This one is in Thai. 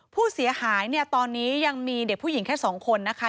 ผู้เสียหายเนี่ยตอนนี้ยังมีเด็กผู้หญิงแค่๒คนนะคะ